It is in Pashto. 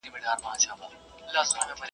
نغمه راغبرګه کړله.